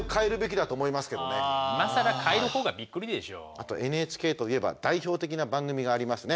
あとＮＨＫといえば代表的な番組がありますね。